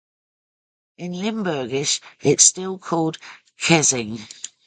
In Limburgish it's still called 'Kesing'.